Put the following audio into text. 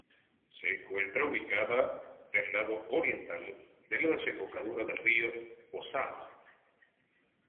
Se encuentra ubicada del lado oriental de la desembocadura del río Ozama.